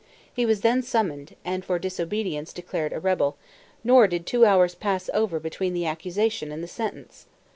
He was then summoned, and for disobedience, declared a rebel; nor did two hours pass over between the accusation and the sentence.